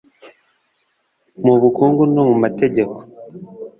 mu bukungu no mumategeko